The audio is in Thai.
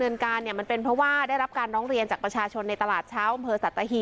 แล้วก็ตำรวชส